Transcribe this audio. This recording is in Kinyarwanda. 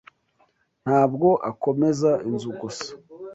Ntabwo akomeza inzu gusa